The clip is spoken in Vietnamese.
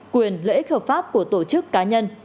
quyền lợi ích hợp pháp của tổ chức cá nhân